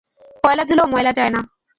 কয়লা ধুলেও ময়লা যায় না।